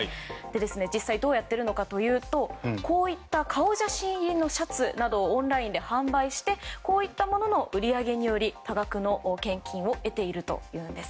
実際、どうやっているかというと顔写真入りのシャツなどをオンラインで販売してこういったものの売り上げにより多額の献金を得ているというんです。